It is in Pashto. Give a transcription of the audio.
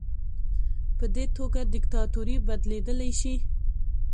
په دې توګه دیکتاتوري بدلیدلی شي.